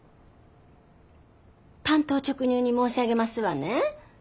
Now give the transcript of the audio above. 単刀直入に申し上げますわね。